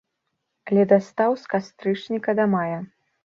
Ледастаў з кастрычніка да мая.